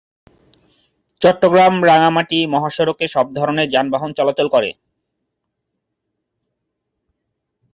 চট্টগ্রাম-রাঙ্গামাটি মহাসড়কে সব ধরনের যানবাহন চলাচল করে।